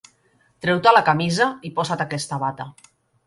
Treu-te la camisa i posa't aquesta bata.